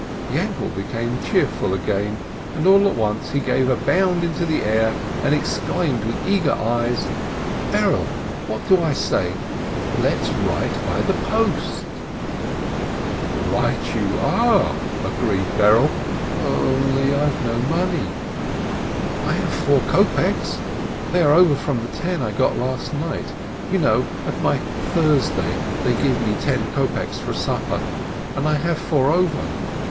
Yainkele became cheerful again, and all at once he gave a bound into the air, and exclaimed with eager eyes: "Berele, do what I say ! Let's write by the post !" "Right you are!" agreed Berele. "Only I've no money." "I have four kopeks; they are over from the ten I got last night. You know, at my 'Thursday' they give me ten kopeks for supper, and I have four over.